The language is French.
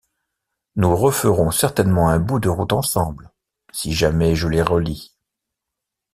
Nous referons certainement un bout de route ensemble, si jamais je les relis.